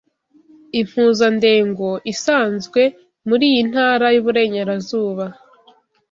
Impuzandengo isanzwe muri iyi ntara yuburengerazuba